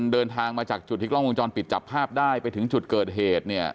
เดินทางมาจากจุดที่กล้องวงจรปิดจับภาพได้ไปถึงจุดเกิดเหตุเนี่ย